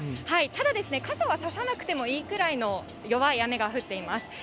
ただ、傘は差さなくてもいいくらいの弱い雨が降っています。